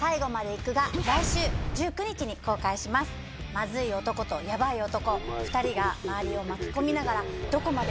マズい男とヤバい男２人が周りを巻き込みながらどこまでも行く。